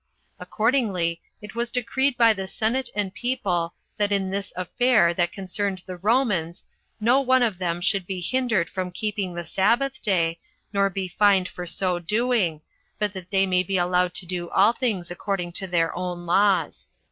Accordingly, it was decreed by the senate and people, that in this affair that concerned the Romans, no one of them should be hindered from keeping the sabbath day, nor be fined for so doing, but that they may be allowed to do all things according to their own laws."